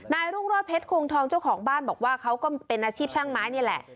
รุ่งโรธเพชรคงทองเจ้าของบ้านบอกว่าเขาก็เป็นอาชีพช่างไม้นี่แหละ